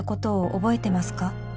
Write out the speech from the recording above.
「覚えてますか？」